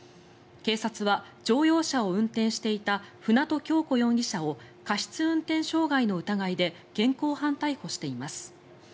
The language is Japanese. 警察は、乗用車を運転していた舟渡今日子容疑者を過失運転傷害の疑いで現行犯逮捕しています。